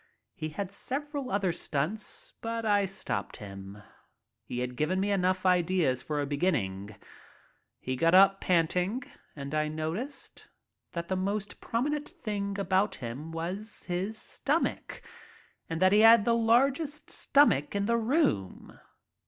He had several other stunts, but I stopped him. He had given me enough ideas for a beginning. He got up panting, and I noticed that the most prominent thing about him was his stomach and that he had the largest stomach in the room.